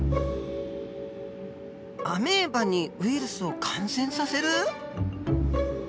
アメーバにウイルスを感染させる？